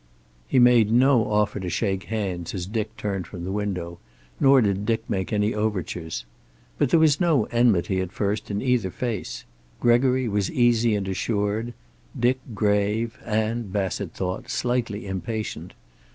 He made no offer to shake hands as Dick turned from the window, nor did Dick make any overtures. But there was no enmity at first in either face; Gregory was easy and assured, Dick grave, and, Bassett thought, slightly impatient.